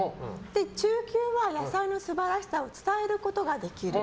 中級は、野菜の素晴らしさを伝えることができる。